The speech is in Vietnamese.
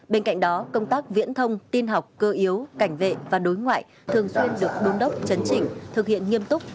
bên cạnh đó công tác viễn thông tin học cơ yếu cảnh vệ và đối ngoại thường xuyên được đúng đốc chấn trình thực hiện nghiêm tốc